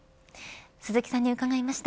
鈴木さんに伺いました。